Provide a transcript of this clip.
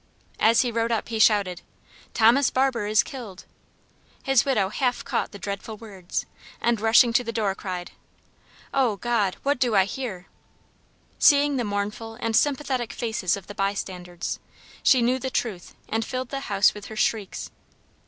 As he rode up he shouted, "Thomas Barber is killed!" His widow half caught the dreadful words, and rushing to the door cried, "Oh, God! What do I hear?" Seeing the mournful and sympathetic faces of the bystanders, she knew the truth and filled the house with her shrieks.